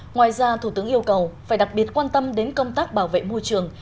ngoài ra thủ tướng yêu cầu phải đặc biệt quan tâm đến công tác bảo vệ môi trường